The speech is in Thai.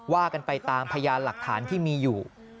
ว่ากันไปตามพยานหลักฐานที่มีอยู่